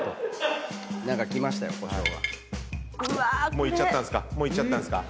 もういっちゃったんすか？